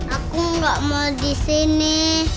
aku gak mau disini